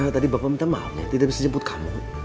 tadi bapak minta maaf tidak bisa jemput kamu